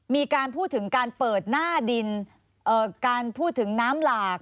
มีการพูดถึงการเปิดหน้าดินการพูดถึงน้ำหลาก